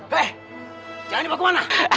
hei jangan kemana mana